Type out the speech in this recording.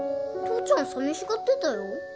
父ちゃん寂しがってたよ？